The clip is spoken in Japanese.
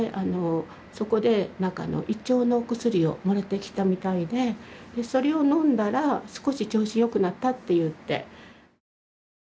そこで胃腸のお薬をもらってきたみたいでそれをのんだら少し調子よくなったって言って。